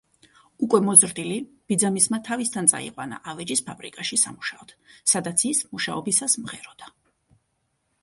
უკვე მოზრდილი ბიძამისმა თავისთან წაიყვანა ავეჯის ფაბრიკაში სამუშაოდ, სადაც ის მუშაობისას მღეროდა.